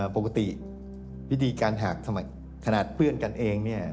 ปกติวิธีการหักขนาดเพื่อนกันเองเนี่ย